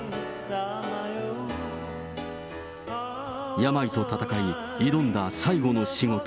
病と闘い、挑んだ最後の仕事。